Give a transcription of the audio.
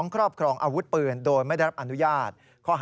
ครอบครองอาวุธปืนโดยไม่ได้รับอนุญาต